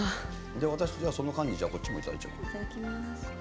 その間にこっちもいただいちゃおうかな。